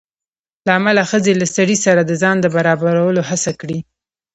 له امله ښځې له سړي سره د ځان د برابرولو هڅه کړې